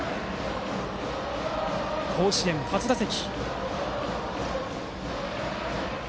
甲子園初打席。